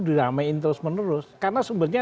diramaiin terus menerus karena sumbernya